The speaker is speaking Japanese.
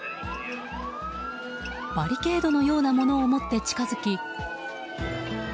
バリケードのようなものを持って近づき。